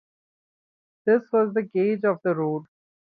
This was the gauge of the road.